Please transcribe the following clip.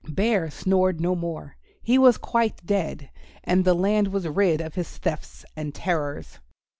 Bear snored no more; he was quite dead, and the land was rid of his thefts and terrors.